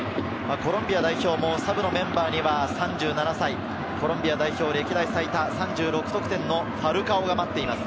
コロンビア代表もサブのメンバーには３７歳コロンビア代表歴代最多３６得点のファルカオが待っています。